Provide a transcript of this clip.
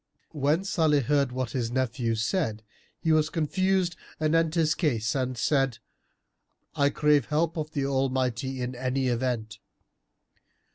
When Salih heard what his nephew said, he was confused anent his case and said, "I crave help of the Almighty in any event."